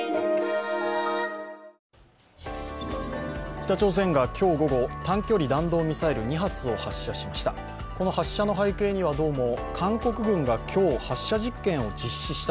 北朝鮮が今日午後、短距離弾道ミサイル２発を発射しました。